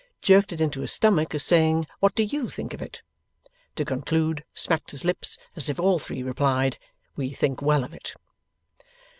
jerked it into his stomach, as saying, 'What do YOU think of it?' To conclude, smacked his lips, as if all three replied, 'We think well of it.